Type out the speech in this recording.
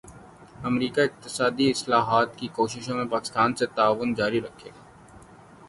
امریکا اقتصادی اصلاحات کی کوششوں میں پاکستان سے تعاون جاری رکھے گا